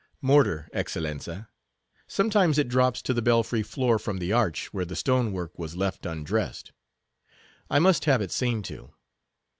"Mortar, Excellenza; sometimes it drops to the belfry floor from the arch where the stonework was left undressed. I must have it seen to.